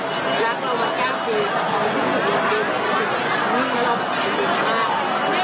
คือเบลอยู่บนมีเทรกระโหลกก็อยู่ในฟิลจากของสามสายต่อค่ะ